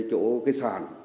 chỗ cái sàn